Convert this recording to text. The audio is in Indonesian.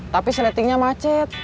tapi settingnya macet